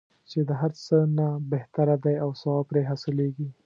چې د هر څه نه بهتره دی او ثواب پرې حاصلیږي.